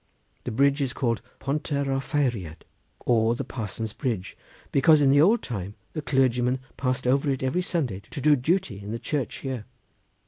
The bridge is called Pont yr Offeiriad, or the Parson's Bridge, because in the old time the clergyman passed over it every Sunday to do duty in the church here."